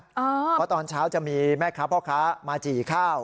เพราะตอนเช้าจะมีแม่ค้าพ่อค้ามาจี่ข้าว